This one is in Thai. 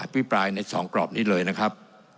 พิปรายใน๒กรอบนี้เลยนะครับ